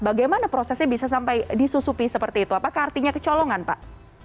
bagaimana prosesnya bisa sampai disusupi seperti itu apakah artinya kecolongan pak